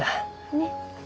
ねっ。